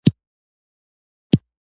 لیکل شوې، موږ هڅه کړې په عامه ژبه